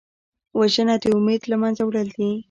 وژنه د امید له منځه وړل دي